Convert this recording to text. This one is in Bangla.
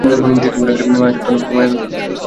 মায়া সত্য নয়, মিথ্যা।